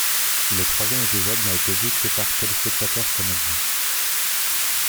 Le troisième épisode n'a été vu que par téléspectateurs canadiens.